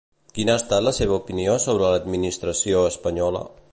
Quina ha estat la seva opinió sobre l'administració espanyola?